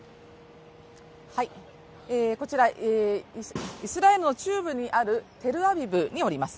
こちら、イスラエルの中部にあるテルアビブにおります。